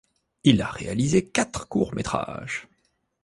Il a réalisé quatre courts-métrages.